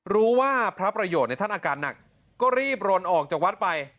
พระประโยชน์ท่านอาการหนักก็รีบรนออกจากวัดไป